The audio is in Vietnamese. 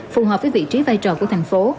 phù hợp với vị trí vai trò của thành phố